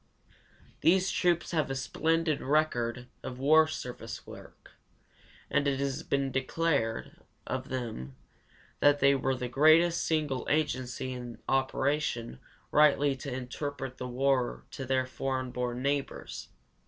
These troops have a splendid record of war service work, and it has been declared of them that they were the greatest single agency in operation rightly to interpret the war to their foreign born neighbors.